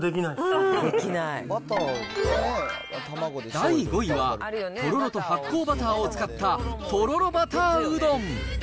第５位は、とろろと発酵バターを使ったとろろバターうどん。